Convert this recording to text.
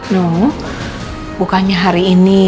no bukannya hari ini